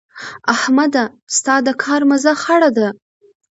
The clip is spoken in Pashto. احمده؛ ستا د کار مزه خړه ده.